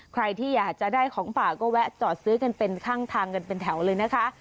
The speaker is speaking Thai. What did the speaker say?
ใครที่อยากจะได้ของป่าก็แวะจอดซื้อกันเป็นข้างทางกันเป็นแถวเลยนะคะ